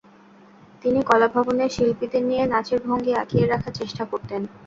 তিনি কলাভবনের শিল্পীদের দিয়ে নাচের ভঙ্গি আঁকিয়ে রাখার চেষ্টা করতেন।